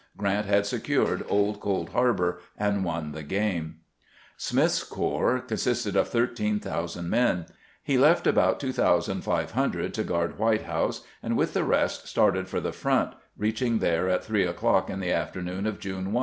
Q rant had secured Old Cold Harbor, and won the game. Smith's corps consisted of 13,000 men. He left about 2500 to guard White House, and with the rest started for the front, reaching there at three o'clock in the after noon of June 1.